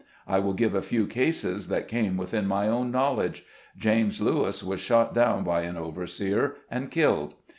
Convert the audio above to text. I will give a few cases that came within my own knowledge. James Lewis was shot down by an overseer, and killed.